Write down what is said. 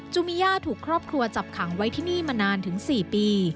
ูมีย่าถูกครอบครัวจับขังไว้ที่นี่มานานถึง๔ปี